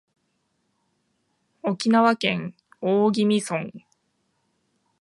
沖縄県大宜味村